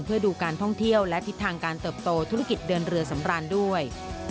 เพื่อดูการท่องเที่ยวและทิศทางการเติบโตธุรกิจเดินเรือสำราญด้วย